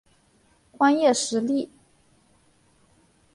光叶石栎